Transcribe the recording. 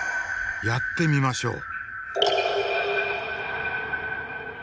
やってみましょう。